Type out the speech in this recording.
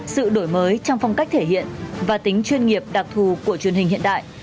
sự đổi mới trong phong cách thể hiện và tính chuyên nghiệp đặc thù của truyền hình hiện đại